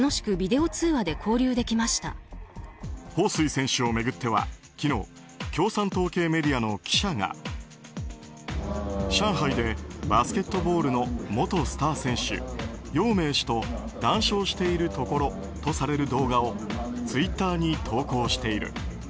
ホウ・スイ選手を巡っては昨日、共産党系メディアの記者が上海でバスケットボールの元スター選手ヨウ・メイ氏と談笑しているところとされる動画をツイッターに投稿している。